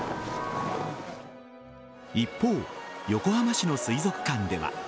一方、横浜市の水族館では。